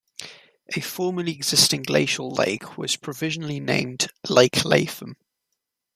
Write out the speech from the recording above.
A formerly existing glacial lake was provisionally named "Lake Lapham".